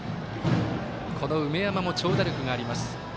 梅山も長打力があります。